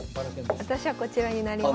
私はこちらになります。